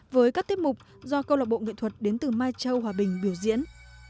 với các tiết mục do câu lạc bộ nghệ thuật đến từ mai châu hòa bình biểu diễn